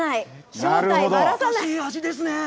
懐かしい味ですね。